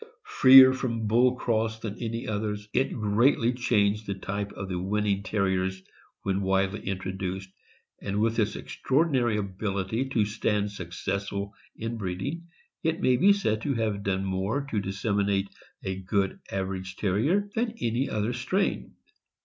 Freer from Bull cross than any other, it greatly changed the type of the 384 THE AMERICAN BOOK OF THE DOG. winning Terriers when widely introduced; and with its extraordinary ability to stand successful inbreeding, it may be said to have done more to disseminate a good average Terrier than any other strain.